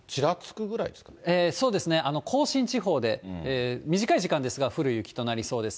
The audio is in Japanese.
そうですね、甲信地方で、短い時間ですが、降る雪となりそうです。